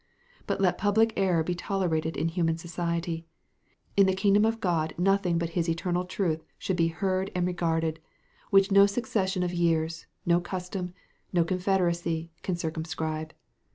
But let public error be tolerated in human society; in the kingdom of God nothing but his eternal truth should he heard and regarded, which no succession of years, no custom, no confederacy, can circumscribe.